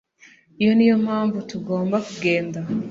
iyo niyo mpamvu tugomba kugenda